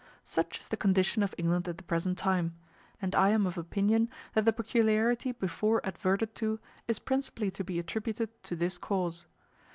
Such is the condition of England at the present time; and I am of opinion that the peculiarity before adverted to is principally to be attributed to this cause.